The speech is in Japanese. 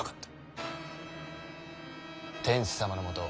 天子様のもと